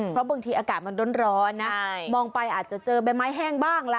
เพราะบางทีอากาศมันร้อนนะมองไปอาจจะเจอใบไม้แห้งบ้างล่ะ